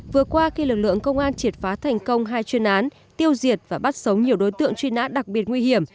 vừa qua khi lực lượng công an triệt phá thành công hai chuyên án tiêu diệt và bắt sống nhiều đối tượng truy nã đặc biệt nguy hiểm